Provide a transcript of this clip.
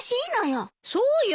そうよ。